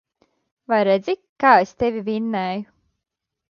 Vai redzi, kā es tevi vinnēju.